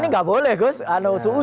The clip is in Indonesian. ini gak boleh gus